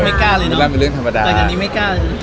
กล้าเลยนะไม่กล้าเป็นเรื่องธรรมดาแต่อันนี้ไม่กล้าเลย